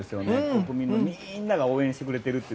国民みんなが応援してくれてるって。